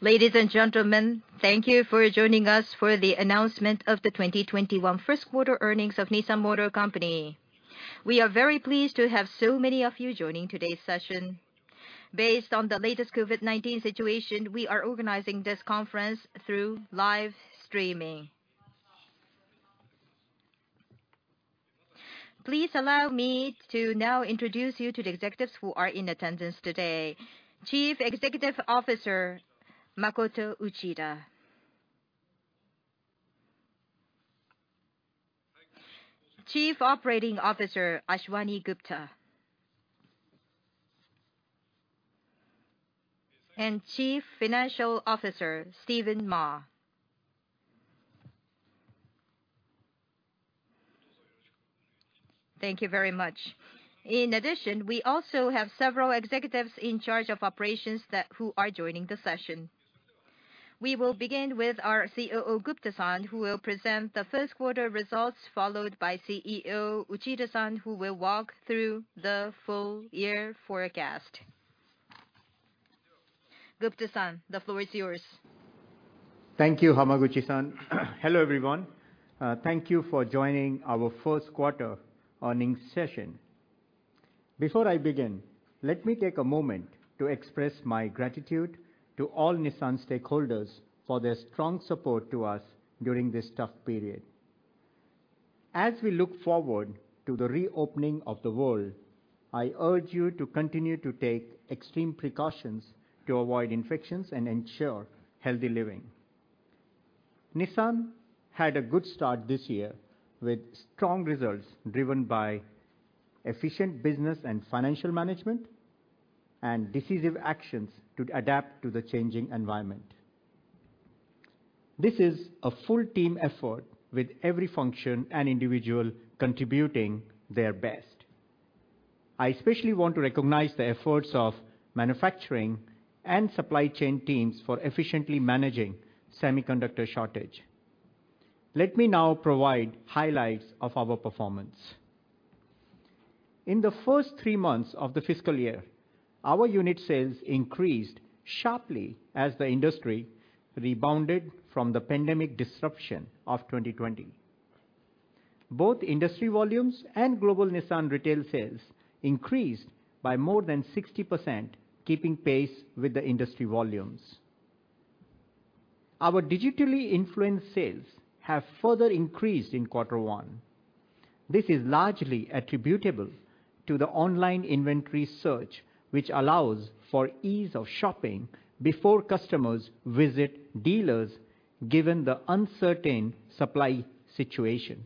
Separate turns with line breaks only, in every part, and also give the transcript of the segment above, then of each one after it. Ladies and gentlemen, thank you for joining us for the announcement of the 2021 first quarter earnings of Nissan Motor Company. We are very pleased to have so many of you joining today's session. Based on the latest COVID-19 situation, we are organizing this conference through live streaming. Please allow me to now introduce you to the executives who are in attendance today. Chief Executive Officer, Makoto Uchida. Chief Operating Officer, Ashwani Gupta. Chief Financial Officer, Stephen Ma. Thank you very much. In addition, we also have several executives in charge of operations who are joining the session. We will begin with our Chief Operating Officer, Gupta-san, who will present the first quarter results, followed by Chief Executive Officer, Uchida-san, who will walk through the full year forecast. Gupta-san, the floor is yours.
Thank you, Hamaguchi-san. Hello, everyone. Thank you for joining our first quarter earnings session. Before I begin, let me take a moment to express my gratitude to all Nissan stakeholders for their strong support to us during this tough period. As we look forward to the reopening of the world, I urge you to continue to take extreme precautions to avoid infections and ensure healthy living. Nissan had a good start this year with strong results driven by efficient business and financial management and decisive actions to adapt to the changing environment. This is a full team effort with every function and individual contributing their best. I especially want to recognize the efforts of manufacturing and supply chain teams for efficiently managing semiconductor shortage. Let me now provide highlights of our performance. In the first 3 months of the fiscal year, our unit sales increased sharply as the industry rebounded from the pandemic disruption of 2020. Both industry volumes and global Nissan retail sales increased by more than 60%, keeping pace with the industry volumes. Our digitally influenced sales have further increased in Q1. This is largely attributable to the online inventory search, which allows for ease of shopping before customers visit dealers, given the uncertain supply situation.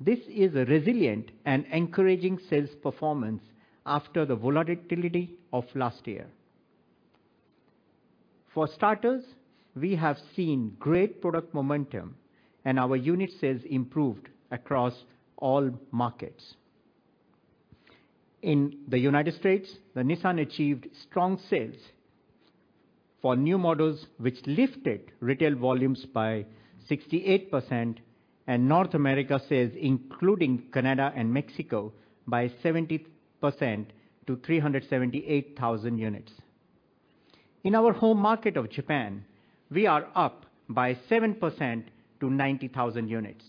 This is a resilient and encouraging sales performance after the volatility of last year. For starters, we have seen great product momentum and our unit sales improved across all markets. In the U.S., Nissan achieved strong sales for new models, which lifted retail volumes by 68% and North America sales, including Canada and Mexico, by 70% to 378,000 units. In our home market of Japan, we are up by 7% to 90,000 units.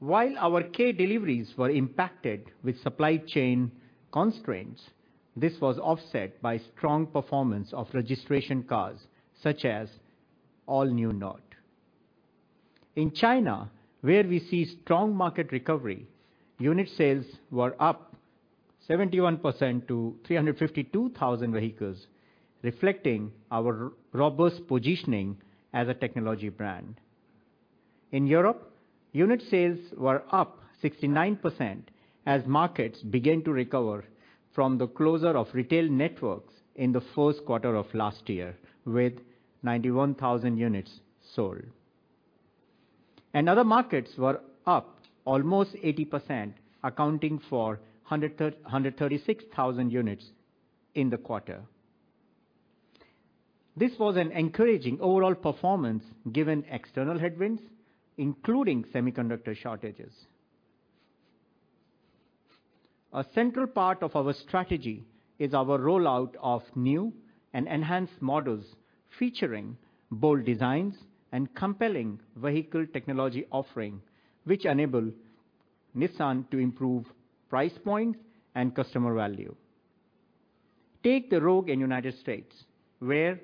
While our kei deliveries were impacted with supply chain constraints, this was offset by strong performance of registration cars, such as All New Note. In China, where we see strong market recovery, unit sales were up 71% to 352,000 vehicles, reflecting our robust positioning as a technology brand. In Europe, unit sales were up 69% as markets began to recover from the closure of retail networks in the first quarter of last year, with 91,000 units sold. Other markets were up almost 80%, accounting for 136,000 units in the quarter. This was an encouraging overall performance given external headwinds, including semiconductor shortages. A central part of our strategy is our rollout of new and enhanced models featuring bold designs and compelling vehicle technology offering, which enable Nissan to improve price points and customer value. Take the Rogue in the U.S., where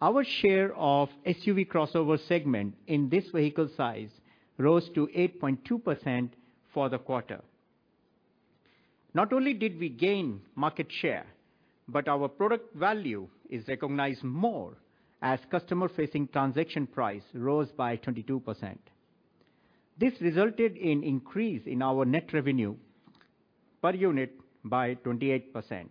our share of SUV crossover segment in this vehicle size rose to 8.2% for the quarter. Not only did we gain market share, but our product value is recognized more as customer-facing transaction price rose by 22%. This resulted in increase in our net revenue per unit by 28%.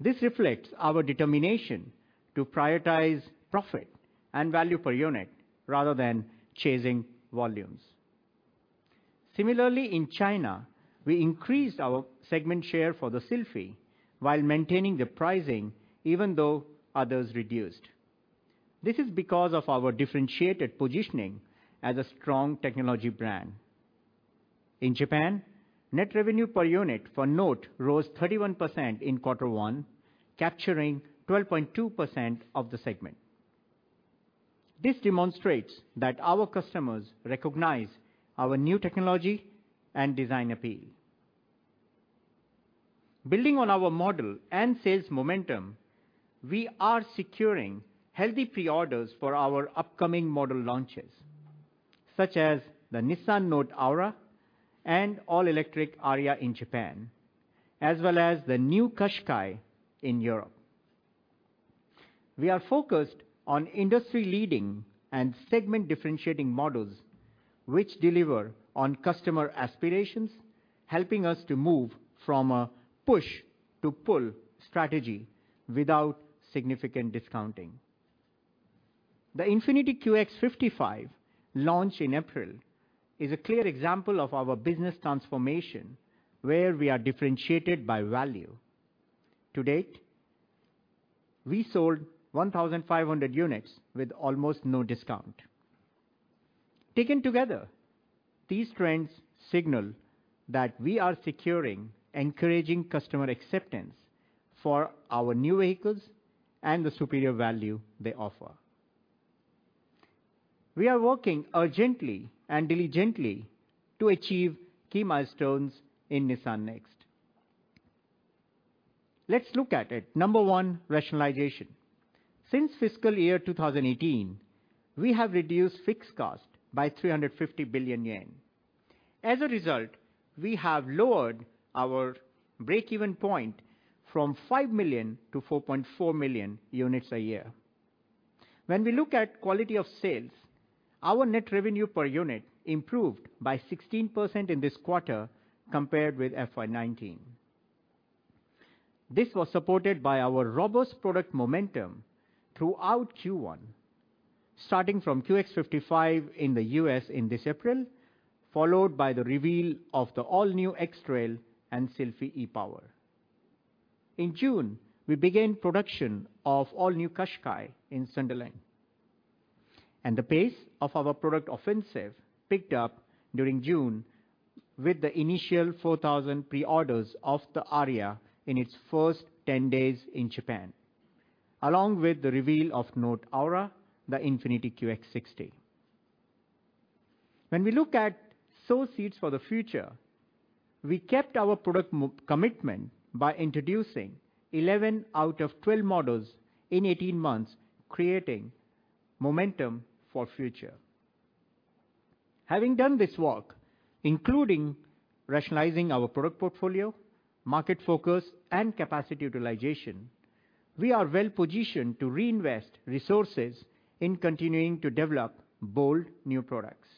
This reflects our determination to prioritize profit and value per unit rather than chasing volumes. Similarly, in China, we increased our segment share for the Sylphy while maintaining the pricing, even though others reduced. This is because of our differentiated positioning as a strong technology brand. In Japan, net revenue per unit for Note rose 31% in quarter one, capturing 12.2% of the segment. This demonstrates that our customers recognize our new technology and design appeal. Building on our model and sales momentum, we are securing healthy pre-orders for our upcoming model launches, such as the Nissan Note Aura and All-Electric Ariya in Japan, as well as the new Qashqai in Europe. We are focused on industry-leading and segment-differentiating models which deliver on customer aspirations, helping us to move from a push to pull strategy without significant discounting. The Infiniti QX55 launch in April is a clear example of our business transformation, where we are differentiated by value. To date, we sold 1,500 units with almost no discount. Taken together, these trends signal that we are securing encouraging customer acceptance for our new vehicles and the superior value they offer. We are working urgently and diligently to achieve key milestones in Nissan NEXT. Let's look at it. Number one, rationalization. Since FY 2018, we have reduced fixed cost by 350 billion yen. As a result, we have lowered our break-even point from 5 million-4.4 million units a year. When we look at quality of sales, our net revenue per unit improved by 16% in this quarter compared with FY 2019. This was supported by our robust product momentum throughout Q1, starting from QX55 in the U.S. in this April, followed by the reveal of the all-new X-Trail and Sylphy e-POWER. In June, we began production of all-new Qashqai in Sunderland. The pace of our product offensive picked up during June with the initial 4,000 pre-orders of the Ariya in its first 10 days in Japan, along with the reveal of Note Aura, the Infiniti QX60. When we look at sow seeds for the future, we kept our product commitment by introducing 11 models out of 12 models in 18 months, creating momentum for future. Having done this work, including rationalizing our product portfolio, market focus, and capacity utilization, we are well-positioned to reinvest resources in continuing to develop bold new products.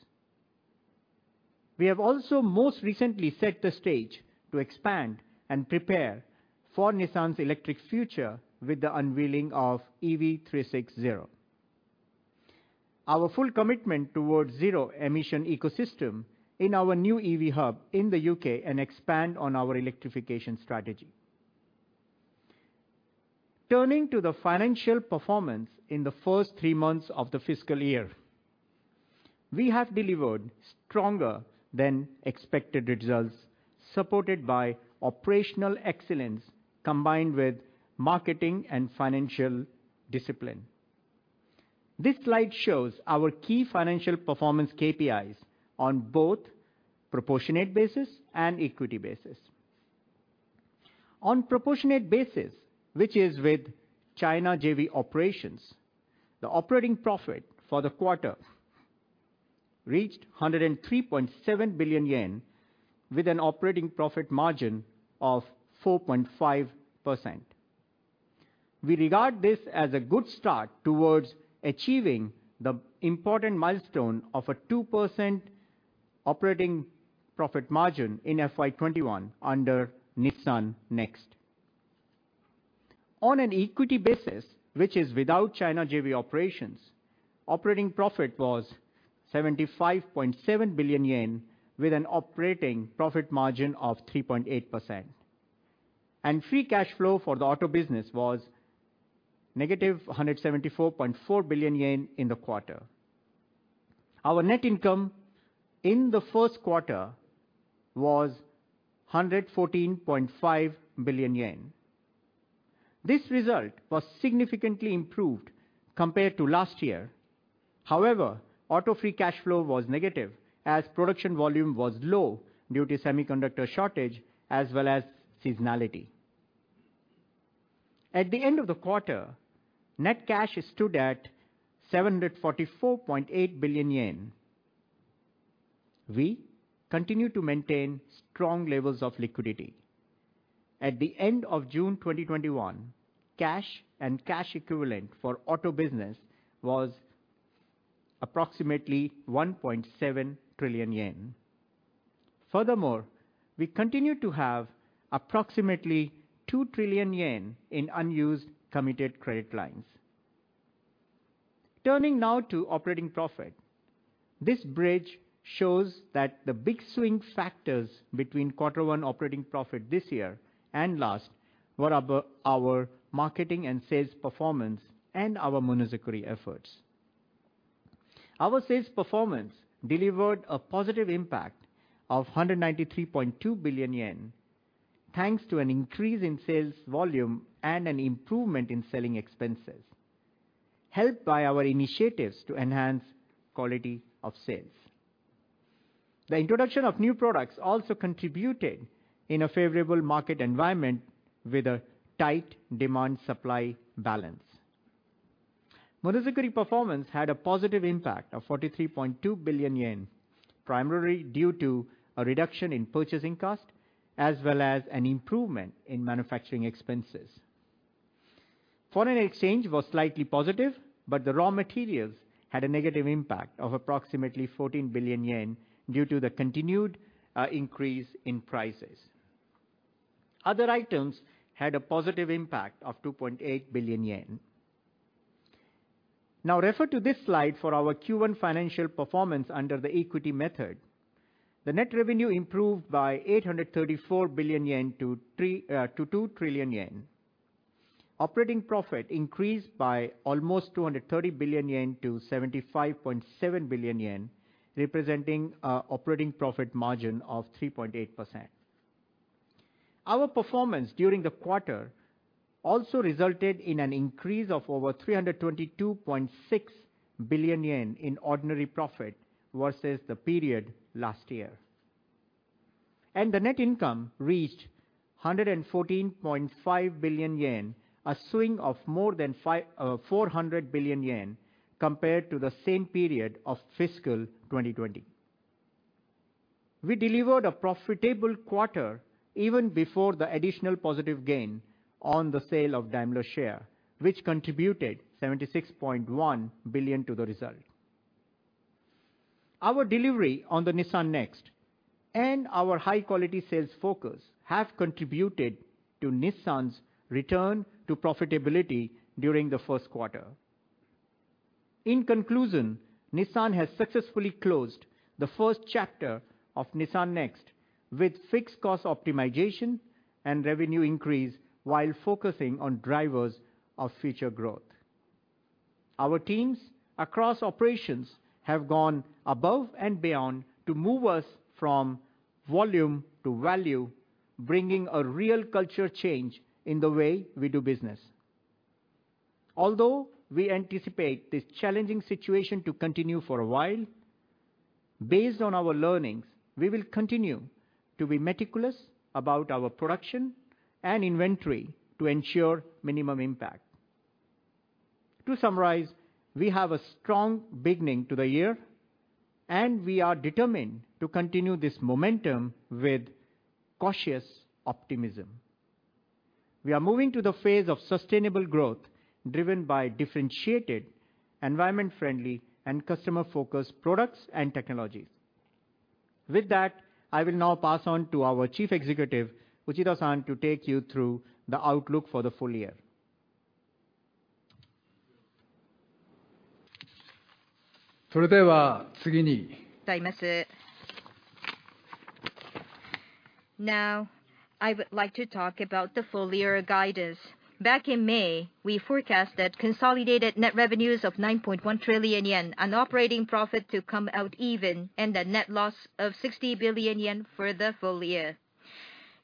We have also most recently set the stage to expand and prepare for Nissan's electric future with the unveiling of EV36Zero. Our full commitment towards zero emission ecosystem in our new EV hub in the U.K. and expand on our electrification strategy. Turning to the financial performance in the first three months of the fiscal year. We have delivered stronger than expected results, supported by operational excellence combined with marketing and financial discipline. This slide shows our key financial performance KPIs on both proportionate basis and equity basis. On proportionate basis, which is with China JV operations, the operating profit for the quarter reached 103.7 billion yen with an operating profit margin of 4.5%. We regard this as a good start towards achieving the important milestone of a 2% operating profit margin in FY 2021 under Nissan NEXT. On an equity basis, which is without China JV operations, operating profit was 75.7 billion yen with an operating profit margin of 3.8%. Free cash flow for the auto business was negative 174.4 billion yen in the quarter. Our net income in the first quarter was 114.5 billion yen. This result was significantly improved compared to last year. However, auto free cash flow was negative as production volume was low due to semiconductor shortage as well as seasonality. At the end of the quarter, net cash stood at 744.8 billion yen. We continue to maintain strong levels of liquidity. At the end of June 2021, cash and cash equivalent for auto business was approximately 1.7 trillion yen. We continue to have approximately 2 trillion yen in unused committed credit lines. Turning now to operating profit. This bridge shows that the big swing factors between Q1 operating profit this year and last were our marketing and sales performance and our Monozukuri efforts. Our sales performance delivered a positive impact of 193.2 billion yen, thanks to an increase in sales volume and an improvement in selling expenses, helped by our initiatives to enhance quality of sales. The introduction of new products also contributed in a favorable market environment with a tight demand-supply balance. Material performance had a positive impact of 43.2 billion yen, primarily due to a reduction in purchasing cost, as well as an improvement in manufacturing expenses. Foreign exchange was slightly positive, the raw materials had a negative impact of approximately 14 billion yen due to the continued increase in prices. Other items had a positive impact of 2.8 billion yen. Refer to this slide for our Q1 financial performance under the equity method. The net revenue improved by 834 billion-2 trillion yen. Operating profit increased by almost 230 billion-75.7 billion yen, representing operating profit margin of 3.8%. Our performance during the quarter also resulted in an increase of over 322.6 billion yen in ordinary profit versus the period last year. The net income reached 114.5 billion yen, a swing of more than 400 billion yen compared to the same period of fiscal 2020. We delivered a profitable quarter even before the additional positive gain on the sale of Daimler share, which contributed 76.1 billion to the result. Our delivery on the Nissan NEXT and our high-quality sales focus have contributed to Nissan's return to profitability during the first quarter. In conclusion, Nissan has successfully closed the first chapter of Nissan NEXT with fixed cost optimization and revenue increase while focusing on drivers of future growth. Our teams across operations have gone above and beyond to move us from volume to value, bringing a real culture change in the way we do business. Although we anticipate this challenging situation to continue for a while, based on our learnings, we will continue to be meticulous about our production and inventory to ensure minimum impact. To summarize, we have a strong beginning to the year, and we are determined to continue this momentum with cautious optimism. We are moving to the phase of sustainable growth, driven by differentiated, environment-friendly, and customer-focused products and technologies. With that, I will now pass on to our Chief Executive, Uchida-san, to take you through the outlook for the full year.
Now, I would like to talk about the full-year guidance. Back in May, we forecasted consolidated net revenues of 9.1 trillion yen and operating profit to come out even and a net loss of 60 billion yen for the full year.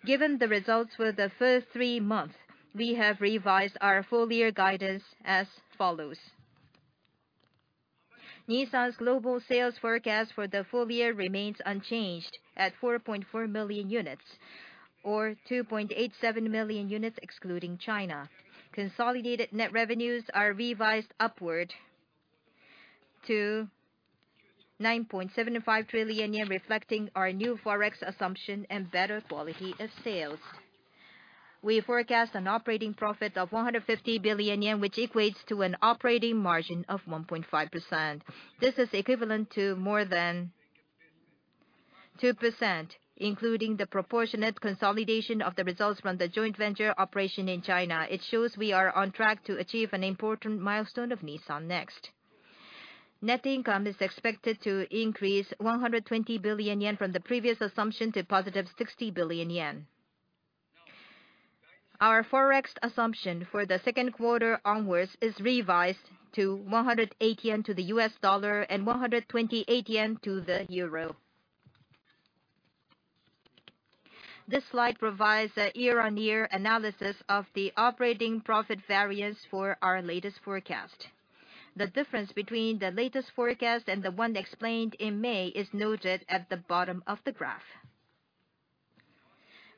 Given the results for the first three months, we have revised our full-year guidance as follows. Nissan's global sales forecast for the full year remains unchanged at 4.4 million units or 2.87 million units excluding China. Consolidated net revenues are revised upward to 9.75 trillion yen, reflecting our new Forex assumption and better quality of sales. We forecast an operating profit of 150 billion yen, which equates to an operating margin of 1.5%. This is equivalent to more than 2%, including the proportionate consolidation of the results from the joint venture operation in China. It shows we are on track to achieve an important milestone of Nissan NEXT. Net income is expected to increase 120 billion yen from the previous assumption to positive 60 billion yen. Our Forex assumption for the second quarter onwards is revised to 108 yen to the US dollar and 128 yen to the euro. This slide provides a year-on-year analysis of the operating profit variance for our latest forecast. The difference between the latest forecast and the one explained in May is noted at the bottom of the graph.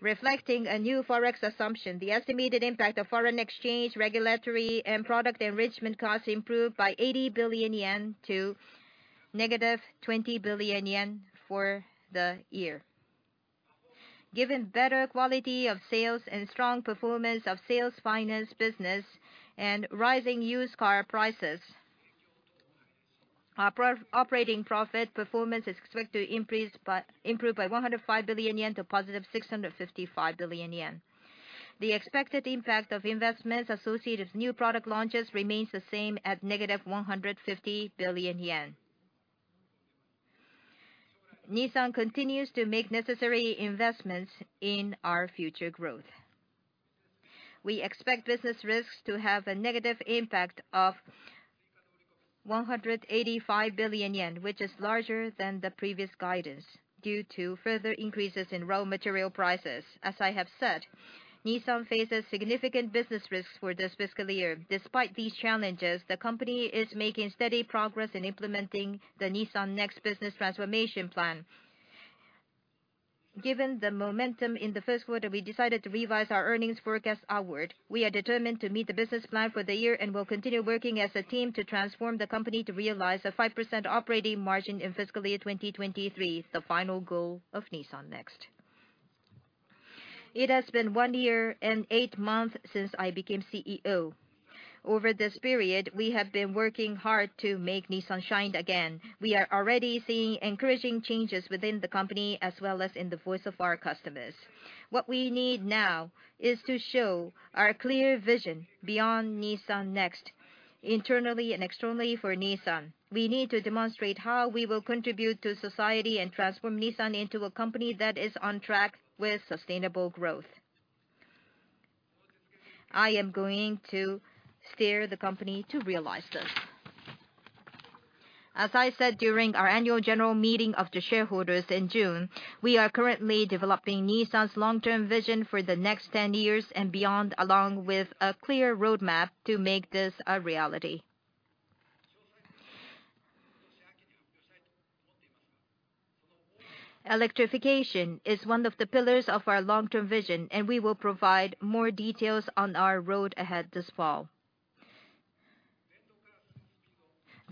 Reflecting a new Forex assumption, the estimated impact of foreign exchange, regulatory, and product enrichment costs improved by 80 billion yen to -20 billion yen for the year. Given better quality of sales and strong performance of sales finance business and rising used car prices, our operating profit performance is expected to improve by 105 billion yen to positive 655 billion yen. The expected impact of investments associated with new product launches remains the same at negative 150 billion yen. Nissan continues to make necessary investments in our future growth. We expect business risks to have a negative impact of 185 billion yen, which is larger than the previous guidance due to further increases in raw material prices. As I have said, Nissan faces significant business risks for this fiscal year. Despite these challenges, the company is making steady progress in implementing the Nissan NEXT Business Transformation Plan. Given the momentum in the first quarter, we decided to revise our earnings forecast outward. We are determined to meet the business plan for the year and will continue working as a team to transform the company to realize a 5% operating margin in fiscal year 2023, the final goal of Nissan NEXT. It has been one year and eight months since I became Chief Executive Officer. Over this period, we have been working hard to make Nissan shine again. We are already seeing encouraging changes within the company as well as in the voice of our customers. What we need now is to show our clear vision beyond Nissan NEXT internally and externally for Nissan. We need to demonstrate how we will contribute to society and transform Nissan into a company that is on track with sustainable growth. I am going to steer the company to realize this. As I said during our annual general meeting of the shareholders in June, we are currently developing Nissan's long-term vision for the next 10 years and beyond, along with a clear roadmap to make this a reality. Electrification is one of the pillars of our long-term vision, and we will provide more details on our road ahead this fall.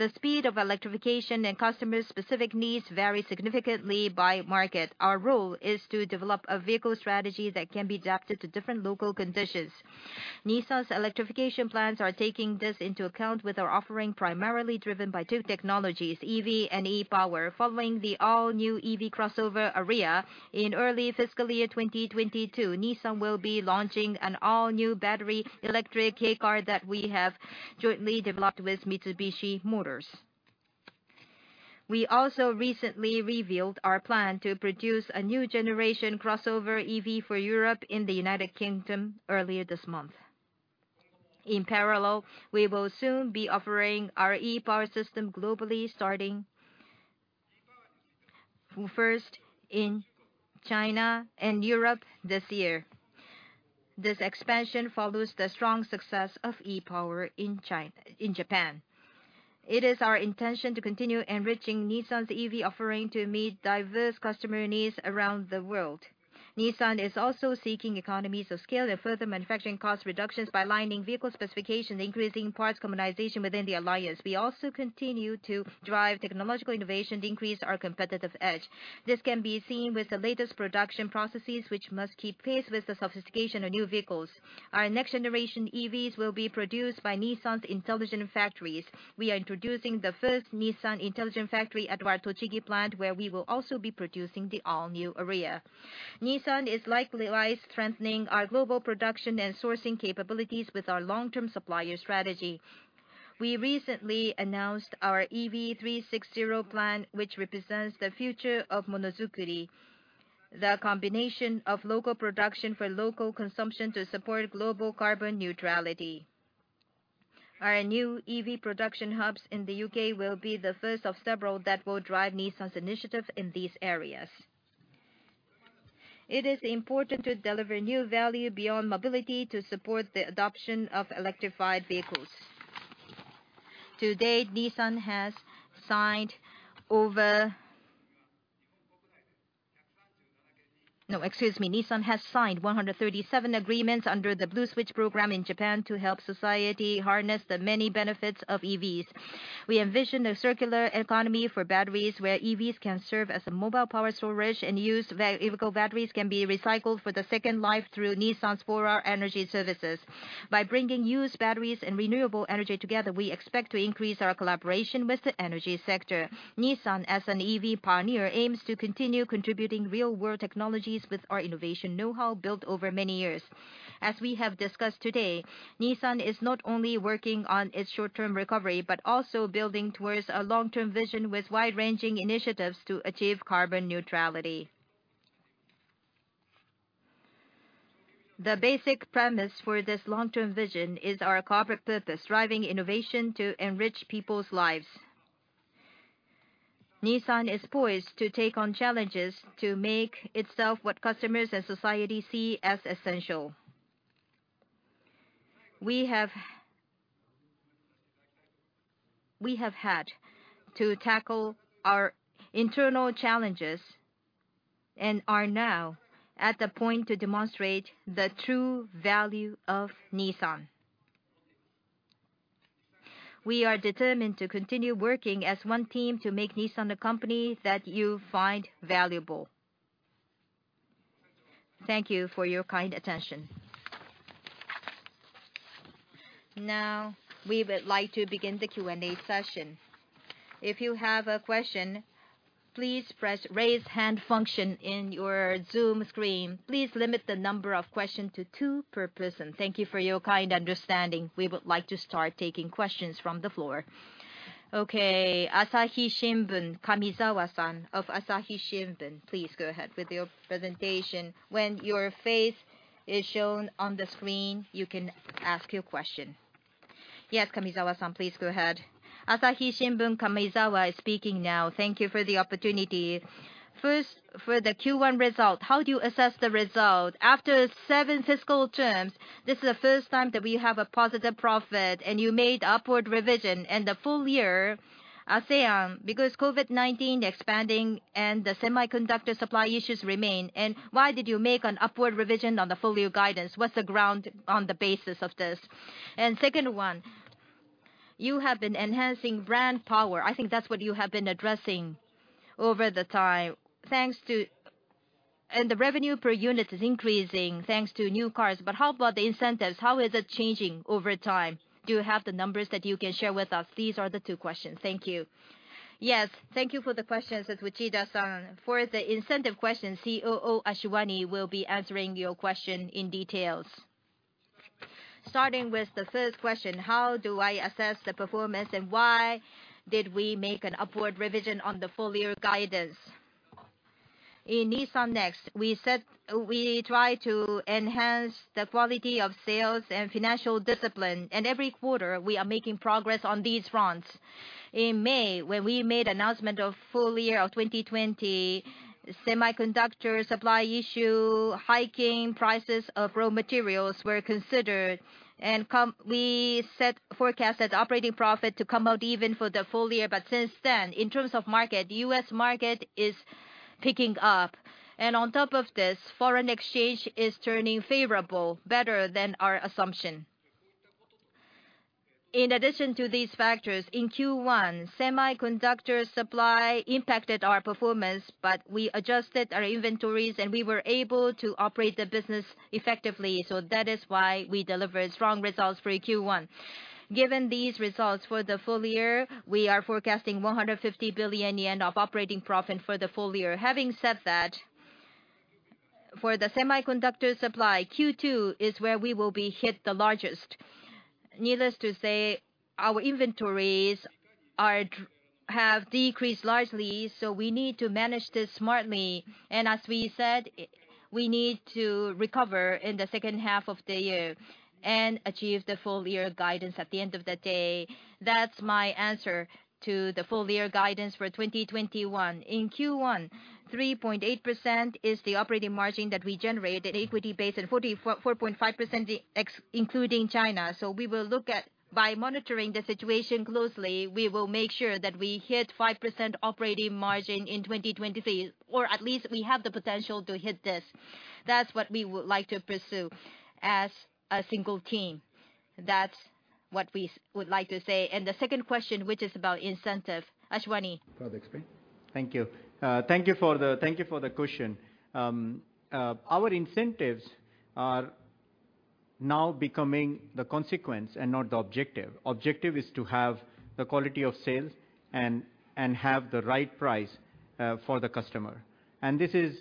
The speed of electrification and customer-specific needs vary significantly by market. Our role is to develop a vehicle strategy that can be adapted to different local conditions. Nissan's electrification plans are taking this into account with our offering primarily driven by two technologies, EV and e-POWER. Following the all-new EV crossover Ariya in early fiscal year 2022, Nissan will be launching an all-new battery electric kei car that we have jointly developed with Mitsubishi Motors. We also recently revealed our plan to produce a new generation crossover EV for Europe in the United Kingdom earlier this month. In parallel, we will soon be offering our e-POWER system globally, starting first in China and Europe this year. This expansion follows the strong success of e-POWER in Japan. It is our intention to continue enriching Nissan's EV offering to meet diverse customer needs around the world. Nissan is also seeking economies of scale and further manufacturing cost reductions by aligning vehicle specifications, increasing parts commonization within the alliance. We also continue to drive technological innovation to increase our competitive edge. This can be seen with the latest production processes, which must keep pace with the sophistication of new vehicles. Our next generation EVs will be produced by Nissan Intelligent Factories. We are introducing the first Nissan Intelligent Factory at our Tochigi plant, where we will also be producing the all-new Ariya. Nissan is likewise strengthening our global production and sourcing capabilities with our long-term supplier strategy. We recently announced our EV36Zero plan, which represents the future of monozukuri, the combination of local production for local consumption to support global carbon neutrality. Our new EV production hubs in the U.K. will be the first of several that will drive Nissan's initiative in these areas. It is important to deliver new value beyond mobility to support the adoption of electrified vehicles. To date, Nissan has signed 137 agreements under the Blue Switch program in Japan to help society harness the many benefits of EVs. We envision a circular economy for batteries, where EVs can serve as a mobile power storage, and used vehicle batteries can be recycled for the second life through Nissan's V2L energy services. By bringing used batteries and renewable energy together, we expect to increase our collaboration with the energy sector. Nissan, as an EV pioneer, aims to continue contributing real-world technologies with our innovation knowhow built over many years. As we have discussed today, Nissan is not only working on its short-term recovery, but also building towards a long-term vision with wide-ranging initiatives to achieve carbon neutrality. The basic premise for this long-term vision is our corporate purpose, driving innovation to enrich people's lives. Nissan is poised to take on challenges to make itself what customers and society see as essential. We have had to tackle our internal challenges and are now at the point to demonstrate the true value of Nissan. We are determined to continue working as one team to make Nissan a company that you find valuable. Thank you for your kind attention.
We would like to begin the Q&A session. If you have a question, please press raise hand function in your Zoom screen. Please limit the number of questions to two per person. Thank you for your kind understanding. We would like to start taking questions from the floor. Okay. Asahi Shimbun, Kamizawa-san of Asahi Shimbun, please go ahead with your presentation.
When your face is shown on the screen, you can ask your question. Yes, Kamizawa-san, please go ahead.
Asahi Shimbun, Kamizawa is speaking now. Thank you for the opportunity. First, for the Q1 result, how do you assess the result? After seven fiscal terms, this is the first time that we have a positive profit. You made upward revision in the full year. I will say, because COVID-19 expanding and the semiconductor supply issues remain, why did you make an upward revision on the full year guidance? What is the ground on the basis of this? Second one, you have been enhancing brand power. I think that is what you have been addressing over the time. The revenue per unit is increasing thanks to new cars. How about the incentives? How is it changing over time? Do you have the numbers that you can share with us? These are the two questions. Thank you.
Yes. Thank you for the questions, Uchida-san. For the incentive question, Chief Operating Officer Ashwani will be answering your question in details. Starting with the first question, how do I assess the performance, and why did we make an upward revision on the full year guidance? In Nissan NEXT, we try to enhance the quality of sales and financial discipline, and every quarter we are making progress on these fronts. In May, when we made announcement of full year of 2020, semiconductor supply issue, hiking prices of raw materials were considered, and we set forecast that operating profit to come out even for the full year. Since then, in terms of market, U.S. market is picking up. On top of this, foreign exchange is turning favorable, better than our assumption. In addition to these factors, in Q1, semiconductor supply impacted our performance, but we adjusted our inventories, and we were able to operate the business effectively. That is why we delivered strong results for Q1. Given these results for the full year, we are forecasting 150 billion yen of operating profit for the full year. Having said that, for the semiconductor supply, Q2 is where we will be hit the largest. Needless to say, our inventories have decreased largely, so we need to manage this smartly. As we said, we need to recover in the second half of the year and achieve the full year guidance at the end of the day. That's my answer to the full year guidance for 2021. In Q1, 3.8% is the operating margin that we generated equity base and 44.5% including China. We will look at, by monitoring the situation closely, we will make sure that we hit 5% operating margin in 2023, or at least we have the potential to hit this. That's what we would like to pursue as a single team. That's what we would like to say. The second question, which is about incentive, Ashwani.
Thank you. Thank you for the question. Our incentives are now becoming the consequence and not the objective. Objective is to have the quality of sales and have the right price for the customer. This is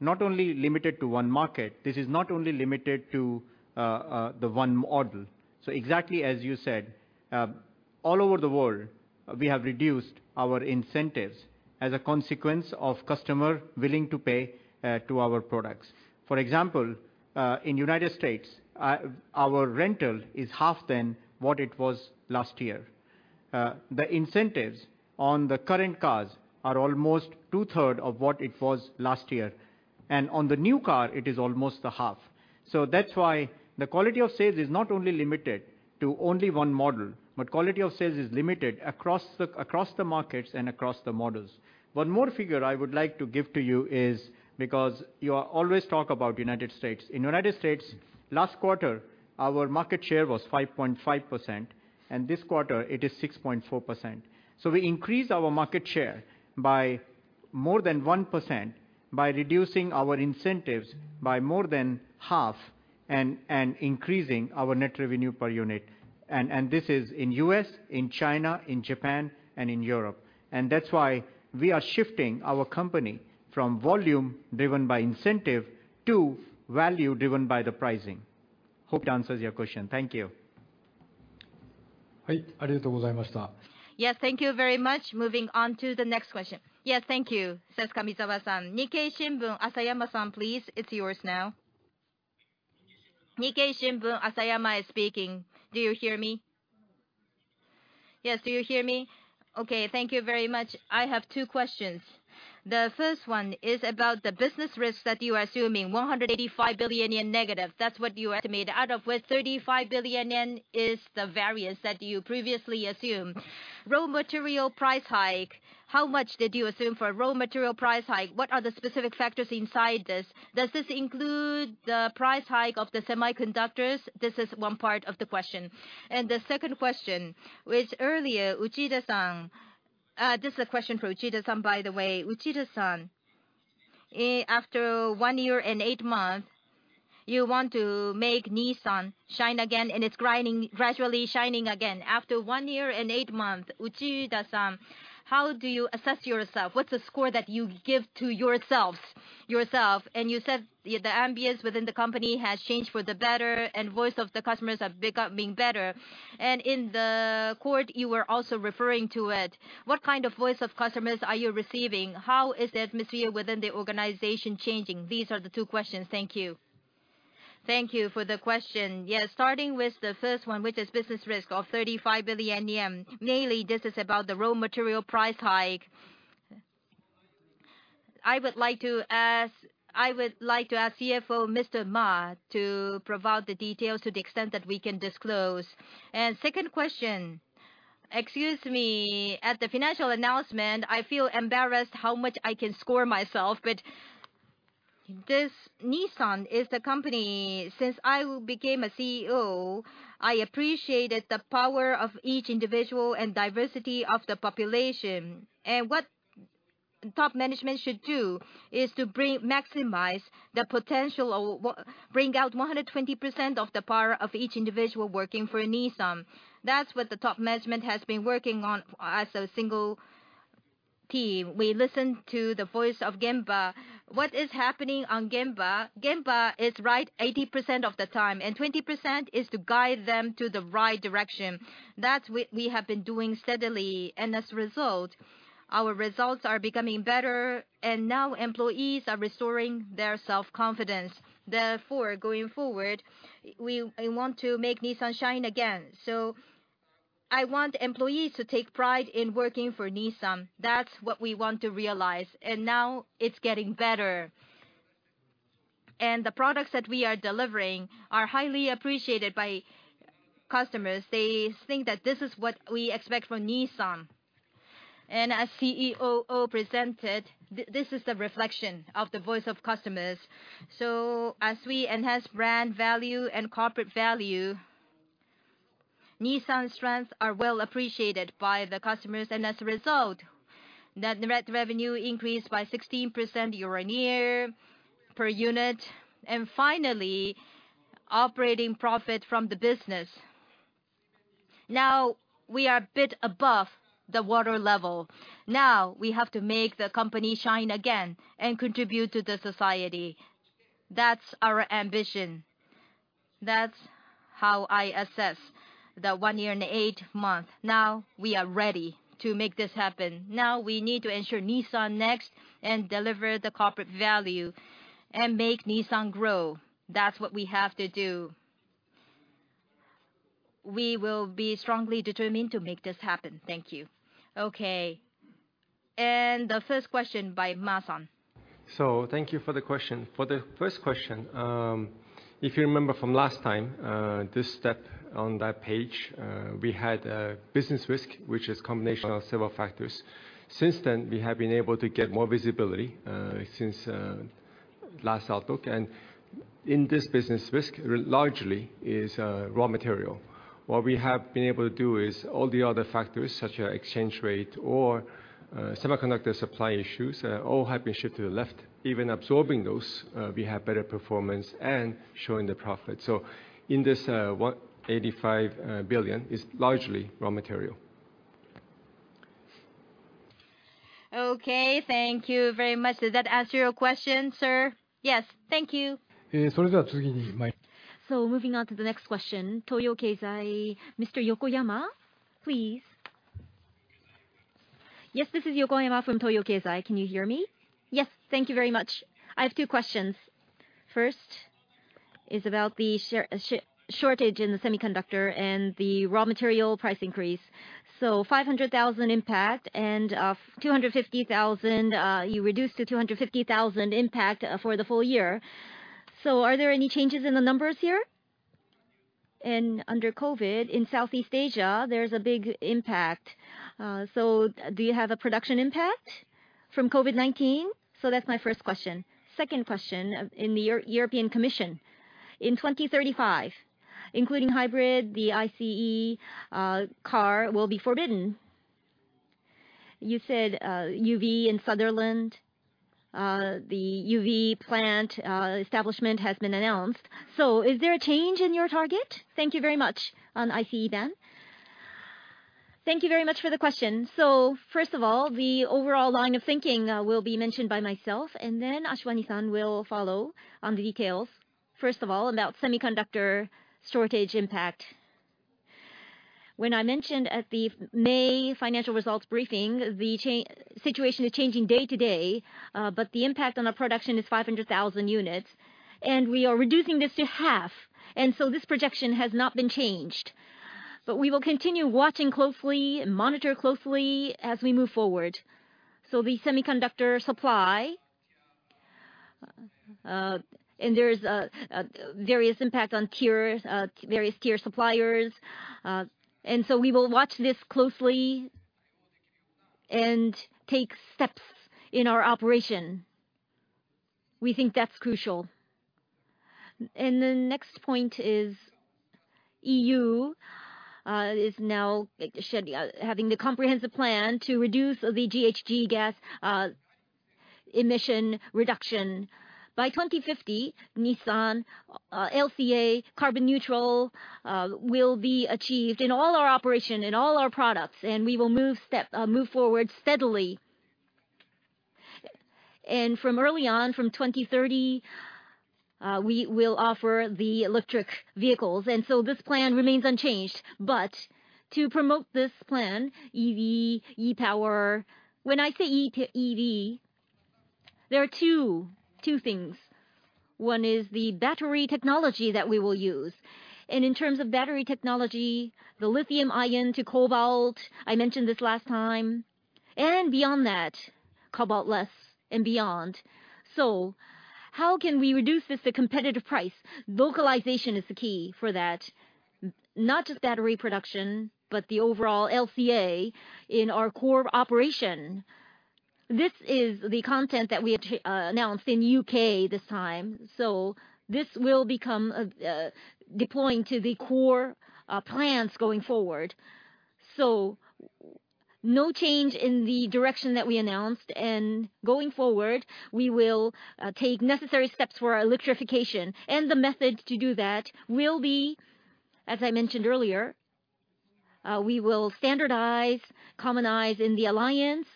not only limited to one market. This is not only limited to the one model. Exactly as you said, all over the world, we have reduced our incentives as a consequence of customer willing to pay to our products. For example, in the U.S., our rental is half than what it was last year. The incentives on the current cars are almost two third of what it was last year. On the new car, it is almost the half. That's why the quality of sales is not only limited to only one model, but quality of sales is limited across the markets and across the models. One more figure I would like to give to you is, because you are always talk about U.S. In U.S., last quarter, our market share was 5.5%, and this quarter it is 6.4%. We increased our market share by more than 1% by reducing our incentives by more than half and increasing our net revenue per unit. This is in U.S., in China, in Japan, and in Europe. That's why we are shifting our company from volume driven by incentive to value driven by the pricing. Hope it answers your question. Thank you.
Yes, thank you very much.
Moving on to the next question. Yes, thank you. Says Kamizawa. Nikkei Shimbun, Asayama, please, it's yours now.
Nikkei Shimbun, Asayama is speaking. Do you hear me? Yes, do you hear me? Okay, thank you very much. I have two questions. The first one is about the business risks that you are assuming, 185 billion yen negative. That's what you estimate, out of which 35 billion yen is the variance that you previously assumed. Raw material price hike. How much did you assume for raw material price hike? What are the specific factors inside this? Does this include the price hike of the semiconductors? This is one part of the question. The second question, which earlier, Makoto Uchida-- This is a question for Makoto Uchida, by the way. Makoto Uchida, after one year and eight months, you want to make Nissan shine again, and it's gradually shining again. After one year and eight months, Uchida-san, how do you assess yourself? What's the score that you give to yourself? You said the ambience within the company has changed for the better, and voice of the customers have become being better. In the quote, you were also referring to it. What kind of voice of customers are you receiving? How is the atmosphere within the organization changing? These are the two questions.
Thank you. Thank you for the question. Yes, starting with the first one, which is business risk of 35 billion yen. Mainly, this is about the raw material price hike. I would like to ask Chief Financial Officer, Mr. Ma, to provide the details to the extent that we can disclose. Second question. Excuse me, at the financial announcement, I feel embarrassed how much I can score myself. This Nissan is the company, since I became a Chief Executive Officer, I appreciated the power of each individual and diversity of the population. What top management should do is to maximize the potential or bring out 120% of the power of each individual working for Nissan. That's what the top management has been working on as a single team. We listen to the voice of Gemba. What is happening on Gemba is right 80% of the time, 20% is to guide them to the right direction. That we have been doing steadily, as a result, our results are becoming better, now employees are restoring their self-confidence. Therefore, going forward, we want to make Nissan shine again. I want employees to take pride in working for Nissan. That's what we want to realize. Now it's getting better. The products that we are delivering are highly appreciated by customers. They think that this is what we expect from Nissan. As Chief Operating Officer presented, this is the reflection of the voice of customers. As we enhance brand value and corporate value, Nissan's strengths are well appreciated by the customers, and as a result, net revenue increased by 16% year-over-year per unit. Finally, operating profit from the business. Now we are a bit above the water level. Now we have to make the company shine again and contribute to the society. That's our ambition. That's how I assess the 1 year and 8 months. Now we are ready to make this happen. Now we need to ensure Nissan NEXT and deliver the corporate value and make Nissan grow. That's what we have to do. We will be strongly determined to make this happen. Thank you. Okay. The first question by Ma-san.
Thank you for the question. For the first question, if you remember from last time, this step on that page, we had a business risk, which is a combination of several factors. Since then, we have been able to get more visibility, since last outlook. In this business risk, largely is raw material. What we have been able to do is all the other factors such as exchange rate or semiconductor supply issues, all have been shipped to the left. Even absorbing those, we have better performance and showing the profit. In this 85 billion is largely raw material.
Okay, thank you very much. Does that answer your question, sir?
Yes. Thank you.
Moving on to the next question. Toyo Keizai, Mr. Yokoyama, please.
Yes, this is Yokoyama from Toyo Keizai. Can you hear me? Yes. Thank you very much. I have two questions. First is about the shortage in the semiconductor and the raw material price increase. 500,000 impact and you reduced to 250,000 impact for the full year. Are there any changes in the numbers here? Under COVID in Southeast Asia, there's a big impact. Do you have a production impact from COVID-19? That's my first question. Second question, in the European Commission, in 2035, including hybrid, the ICE car will be forbidden. You said EV in Sunderland, the EV plant establishment has been announced. Is there a change in your target?
Thank you very much, on ICE ban. Thank you very much for the question. First of all, the overall line of thinking will be mentioned by myself, and then Ashwani-san will follow on the details. First of all, about semiconductor shortage impact. When I mentioned at the May financial results briefing, the situation is changing day to day, but the impact on our production is 500,000 units, and we are reducing this to half. This projection has not been changed. We will continue watching closely and monitor closely as we move forward. The semiconductor supply, there is various impact on tier suppliers. We will watch this closely and take steps in our operation. We think that's crucial. The next point is EU is now having the comprehensive plan to reduce the GHG gas emission reduction. By 2050, Nissan LCA carbon neutral will be achieved in all our operation, in all our products, and we will move forward steadily. From early on, from 2030, we will offer the electric vehicles. This plan remains unchanged. To promote this plan, EV, e-POWER. When I say EV, there are two things. One is the battery technology that we will use. In terms of battery technology, the lithium-ion to cobalt, I mentioned this last time, and beyond that, cobalt-less and beyond. How can we reduce this to competitive price? Localization is the key for that. Not just battery production, but the overall LCA in our core operation. This is the content that we announced in U.K. this time. This will become deploying to the core plans going forward. No change in the direction that we announced. Going forward, we will take necessary steps for our electrification. The method to do that will be, as I mentioned earlier, we will standardize, commonize in the alliance,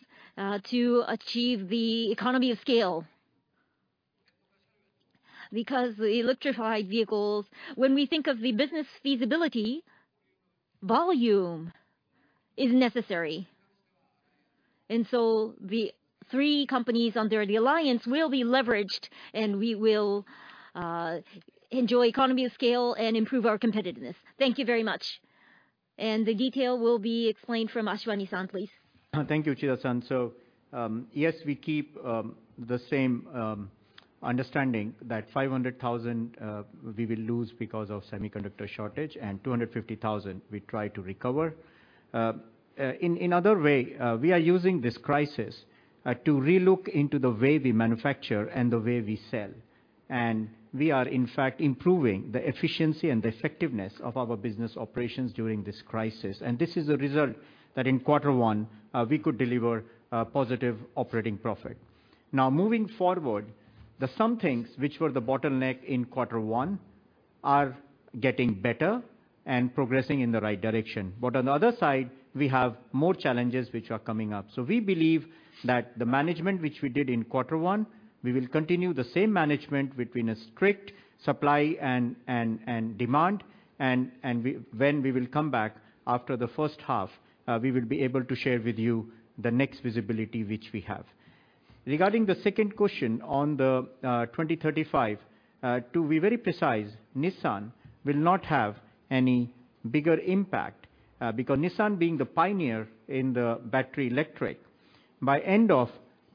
to achieve the economy of scale. Electrified vehicles, when we think of the business feasibility, volume is necessary. The three companies under the alliance will be leveraged and we will enjoy economy of scale and improve our competitiveness. Thank you very much. The detail will be explained from Ashwani-san, please.
Thank you, Uchida-san. Yes, we keep the same understanding that 500,000 we will lose because of semiconductor shortage and 250,000 we try to recover. In other way, we are using this crisis to relook into the way we manufacture and the way we sell. We are in fact improving the efficiency and the effectiveness of our business operations during this crisis. This is a result that in quarter one, we could deliver a positive operating profit. Moving forward, some things which were the bottleneck in quarter one are getting better and progressing in the right direction. On the other side, we have more challenges which are coming up. We believe that the management which we did in quarter one, we will continue the same management between a strict supply and demand. When we will come back after the first half, we will be able to share with you the next visibility which we have. Regarding the second question on 2035, to be very precise, Nissan will not have any bigger impact, because Nissan being the pioneer in the battery electric. By end of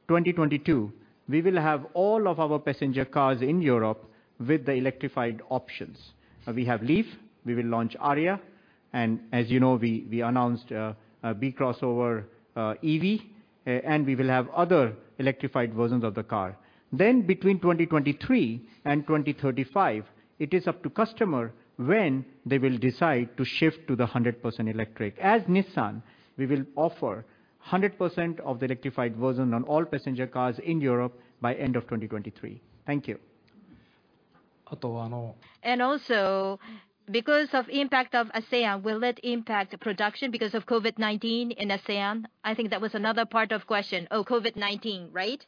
2022, we will have all of our passenger cars in Europe with the electrified options. We have Leaf, we will launch Ariya, and as you know, we announced B-segment crossover EV, and we will have other electrified versions of the car. Between 2023 and 2035, it is up to customer when they will decide to shift to the 100% electric. As Nissan, we will offer 100% of the electrified version on all passenger cars in Europe by end of 2023. Thank you.
Also, because of impact of ASEAN, will it impact production because of COVID-19 in ASEAN? I think that was another part of question. Oh, COVID-19, right?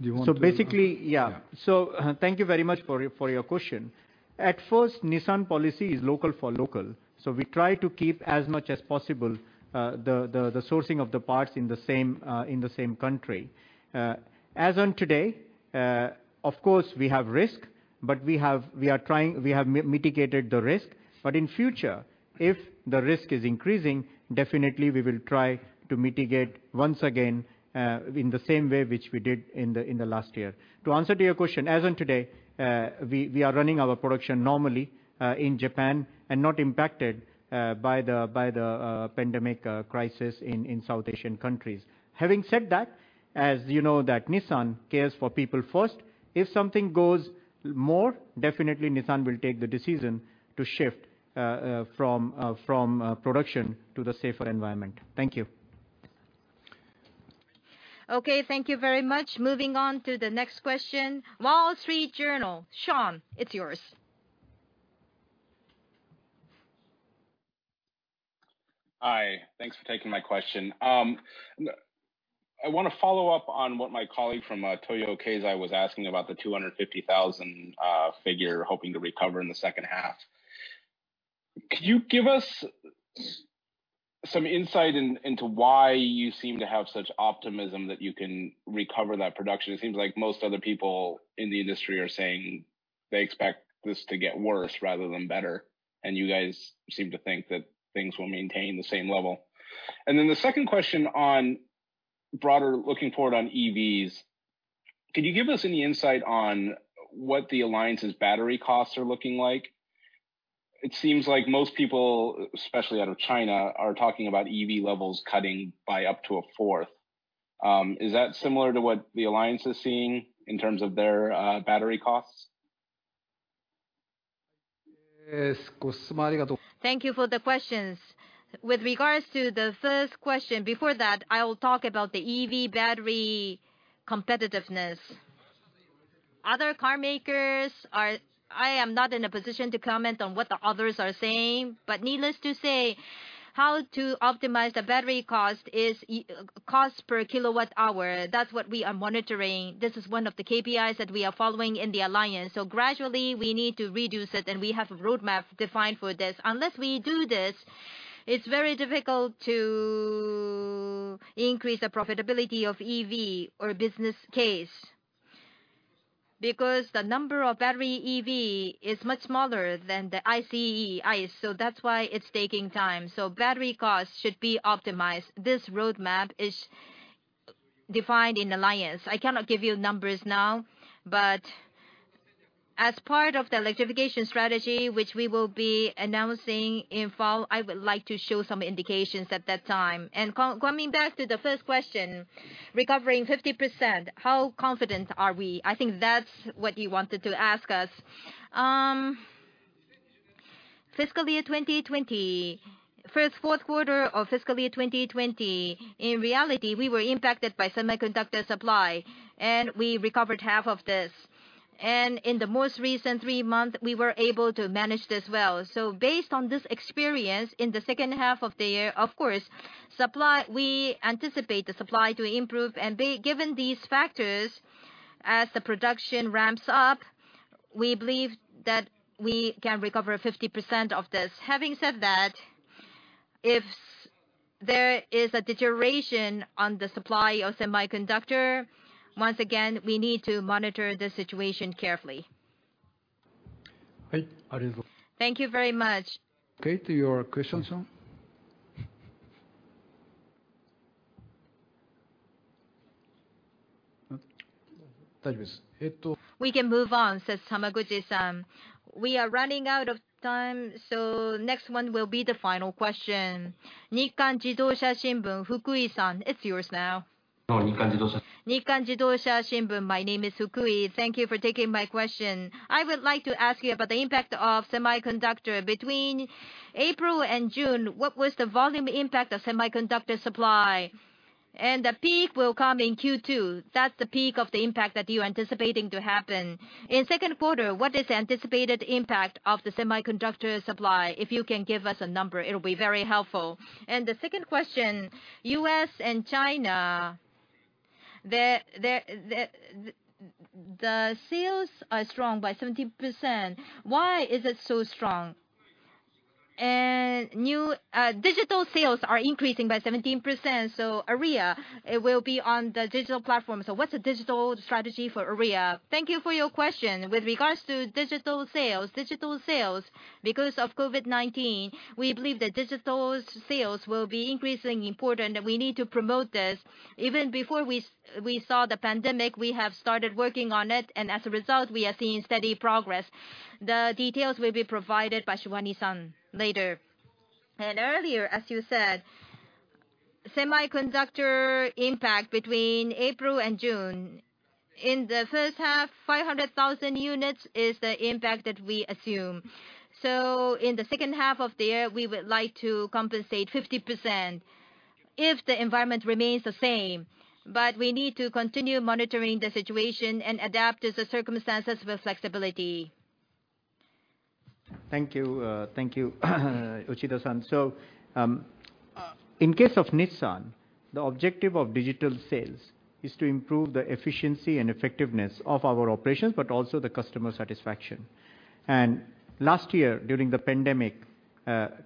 Basically, yeah. Thank you very much for your question. At first, Nissan policy is local for local. We try to keep as much as possible, the sourcing of the parts in the same country. As on today, of course, we have risk, but we have mitigated the risk. In future, if the risk is increasing, definitely we will try to mitigate once again, in the same way, which we did in the last year. To answer to your question, as on today, we are running our production normally, in Japan and not impacted by the pandemic crisis in South Asian countries. Having said that, as you know that Nissan cares for people first, if something goes more, definitely Nissan will take the decision to shift from production to the safer environment. Thank you.
Okay. Thank you very much. Moving on to the next question. The Wall Street Journal. Sean, it's yours.
Hi. Thanks for taking my question. I want to follow up on what my colleague from Toyo Keizai was asking about the 250,000 figure, hoping to recover in the second half. Could you give us some insight into why you seem to have such optimism that you can recover that production? It seems like most other people in the industry are saying they expect this to get worse rather than better. You guys seem to think that things will maintain the same level. The second question on broader looking forward on EVs. Could you give us any insight on what the alliance's battery costs are looking like? It seems like most people, especially out of China, are talking about EV levels cutting by up to a fourth. Is that similar to what the alliance is seeing in terms of their battery costs?
Thank you for the questions. With regards to the first question, before that, I will talk about the EV battery competitiveness. I am not in a position to comment on what the others are saying, but needless to say, how to optimize the battery cost is cost per kilowatt-hour. That's what we are monitoring. This is one of the KPIs that we are following in the Alliance. Gradually, we need to reduce it, and we have a roadmap defined for this. Unless we do this, it's very difficult to increase the profitability of EV or business case, because the number of battery EV is much smaller than the ICE, so that's why it's taking time. Battery costs should be optimized. This roadmap is defined in Alliance.
I cannot give you numbers now. As part of the electrification strategy, which we will be announcing in fall, I would like to show some indications at that time. Coming back to the first question, recovering 50%, how confident are we? I think that's what you wanted to ask us. Fiscal year 2020, first fourth quarter of fiscal year 2020, in reality, we were impacted by semiconductor supply, and we recovered half of this. In the most recent three months, we were able to manage this well. Based on this experience, in the second half of the year, of course, we anticipate the supply to improve. Given these factors, as the production ramps up, we believe that we can recover 50% of this. Having said that, if there is a deterioration on the supply of semiconductor, once again, we need to monitor the situation carefully.
Thank you very much.
Okay, to your question. We can move on, says Hamaguchi-san. We are running out of time, so next one will be the final question. Nikkan Jidosha Shimbun, Fukui, it's yours now.
Nikkan Jidosha Shimbun. Nikkan Jidosha Shimbun. My name is Fukui. Thank you for taking my question. I would like to ask you about the impact of semiconductor. Between April and June, what was the volume impact of semiconductor supply? The peak will come in Q2. That's the peak of the impact that you're anticipating to happen. In second quarter, what is anticipated impact of the semiconductor supply? If you can give us a number, it'll be very helpful. The second question, U.S. and China, the sales are strong by 70%. Why is it so strong? Digital sales are increasing by 17%, so Ariya will be on the digital platform. What's the digital strategy for Ariya?
Thank you for your question. With regards to digital sales, because of COVID-19, we believe that digital sales will be increasingly important, and we need to promote this. Even before we saw the pandemic, we have started working on it, and as a result, we are seeing steady progress. The details will be provided by Ashwani-san later. Earlier, as you said, semiconductor impact between April and June. In the first half, 500,000 units is the impact that we assume. In the second half of the year, we would like to compensate 50% if the environment remains the same. We need to continue monitoring the situation and adapt to the circumstances with flexibility.
Thank you. Thank you, Uchida-san. In case of Nissan, the objective of digital sales is to improve the efficiency and effectiveness of our operations, but also the customer satisfaction. Last year, during the pandemic,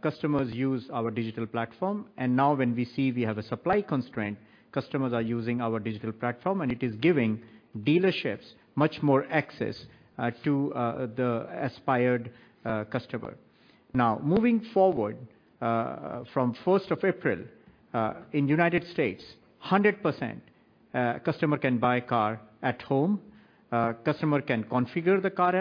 customers used our digital platform. Now when we see we have a supply constraint, customers are using our digital platform, and it is giving dealerships much more access to the aspired customer. Now, moving forward, from 1st of April, in U.S., 100% customer can buy a car at home. Customer can configure the car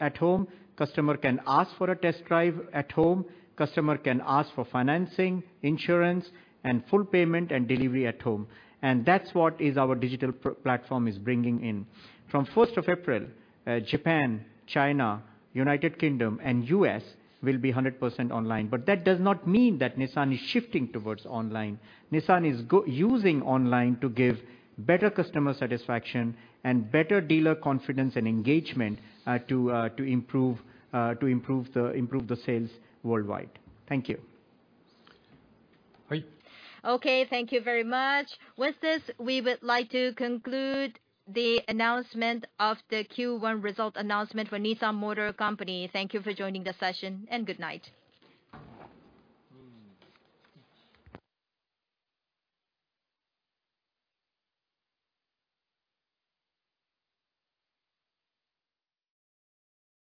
at home. Customer can ask for a test drive at home. Customer can ask for financing, insurance, and full payment and delivery at home. That's what our digital platform is bringing in. From 1st of April, Japan, China, U.K., and U.S. will be 100% online. That does not mean that Nissan is shifting towards online. Nissan is using online to give better customer satisfaction and better dealer confidence and engagement to improve the sales worldwide. Thank you.
Hai. Okay, thank you very much. With this, we would like to conclude the announcement of the Q1 result announcement for Nissan Motor Company. Thank you for joining the session, and good night.